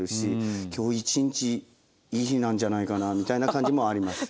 今日１日いい日なんじゃないかなみたいな感じもあります。